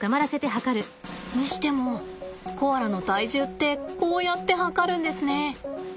にしてもコアラの体重ってこうやって量るんですね。